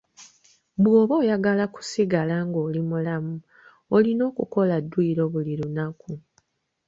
Bw'oba oyagala okusigala nga oli mulamu, olina okukola dduyiro buli lunaku.